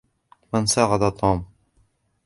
من ساعد توم؟